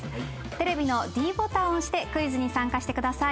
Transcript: テレビのｄボタンを押してクイズに参加してください。